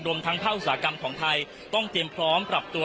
รวมทั้งภาคอุตสาหกรรมของไทยต้องเตรียมพร้อมปรับตัว